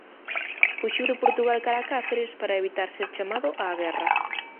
Fuxiu de Portugal cara a Cáceres para evitar ser chamado á guerra.